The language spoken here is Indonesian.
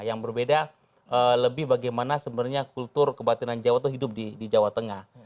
yang berbeda lebih bagaimana sebenarnya kultur kebatinan jawa itu hidup di jawa tengah